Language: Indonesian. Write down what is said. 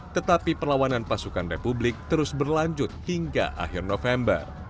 tetapi perlawanan pasukan republik terus berlanjut hingga akhir november